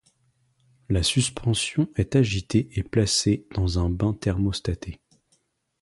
La suspension est agitée et placée dans un bain thermostaté.